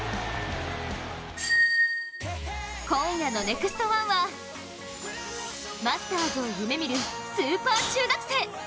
今夜の「ＮＥＸＴ☆１」はマスターズを夢みるスーパー中学生。